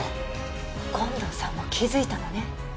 権藤さんも気づいたのね。